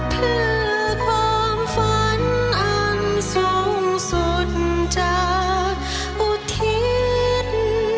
เพื่อความฝันอันสูงสุดจะอุทิศ